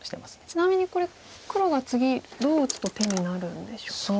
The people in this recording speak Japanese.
ちなみにこれ黒が次どう打つと手になるんでしょうか。